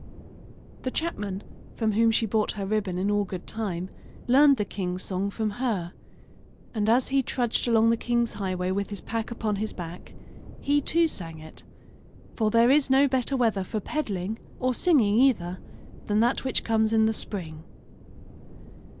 The chapman, from whom she bought her ribbon in all good time, learned the king's song from her; and as he trudged along the king's highway with his pack upon his back he, too, sang it; for there is no better weather for peddling or singing, either, than that which comes in the spring.